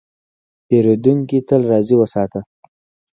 پیرودونکی تل راضي وساته.